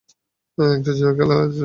একটু জিহবার খেলাও ছিলো।